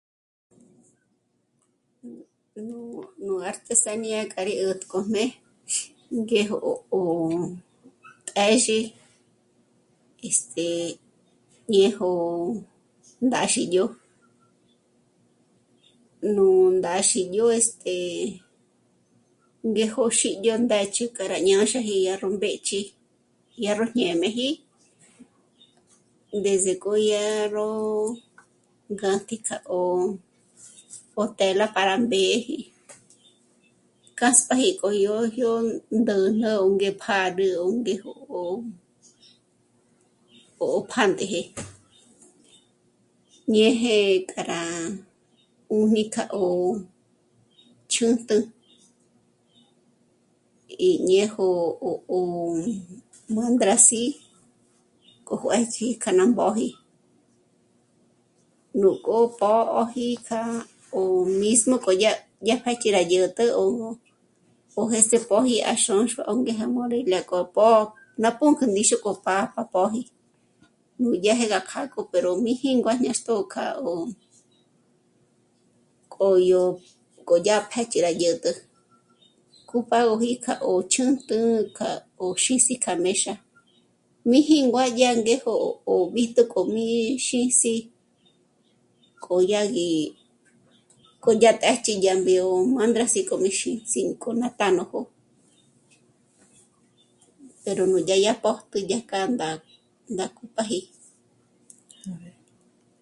Nú artesanía k'a rí 'ä̀t'k'ojme ngéjo 'ó téxi este... ñéjo ndáxi yó, nú ndáxi yó este... ngéjo xîdyo ndë́ch'i k'a rá ñânxaji dyá ró b'ë́ch'i, dyá ró ñé'm'eji desde k'o yá ró ngájtik'a 'ó tela para mbě'eji, kâsp'aji k'o yó jyó ndä̂jnä o ngé pjâdül o ngé'e ó pjántëje, ñéje k'a rá 'újmi k'a 'ó'o ch'ǚntjü y ñéjo 'o, 'o mûndras'i k'o juêch'i k'a ná mbóji, nú k'û'pó'oji k'a o mismo k'o yá, dyä̀jachi rá 'ä̀t'ä yó jêst'e póji à Xônxua o ngé móri ngéko pó'o ná pǔnk'ü ndíxu k'ójp'a pa póji nú dyéje ná kjá'a cargo pero mí jíngua ñâxtjo kja o k'o yó, k'o ya pë̀jch'i yó 'ä̀t'ä cúpagoji k'a ó ch'ǚnt'ü k'a... yó xîsiji k'a méxa mí jíngua dyá ngéjyo ó b'íjtu k'o mí xîsi k'o ya gí, k'o ya ndéjch'i yá mbédyo yó mândrasi k'o xîsi nkó ná tánójo pero núdyà yá pójtü dyaj k'ândá ndá cupáji